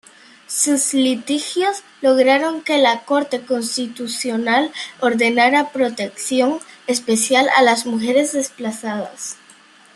Sus litigios lograron que la Corte Constitucional ordenara protección especial a las mujeres desplazadas.